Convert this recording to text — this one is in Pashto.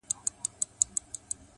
صادق عمل تبلیغ ته اړتیا نه لري؛